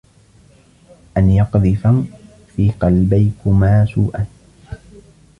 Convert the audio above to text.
أَنْ يَقْذِفَ فِي قَلْبَيْكُمَا سُوءًا